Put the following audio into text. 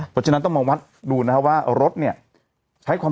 เพราะฉะนั้นต้องมาวัดดูนะฮะว่า